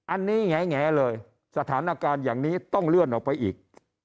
อันนี้แหงเลยสถานการณ์อย่างนี้ต้องเลื่อนออกไปอีก